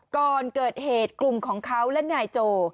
ก่อนเกิดเหตุกลุ่มของเขาและนายโจ